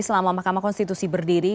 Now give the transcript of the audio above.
selama makam konstitusi berdiri